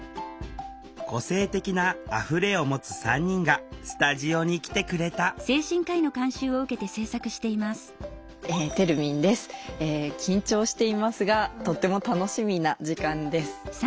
個性的な「あふれ」を持つ３人がスタジオに来てくれたえ緊張していますがとっても楽しみな時間です。